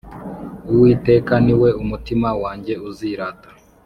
Uwiteka ni we umutima wanjye uzirata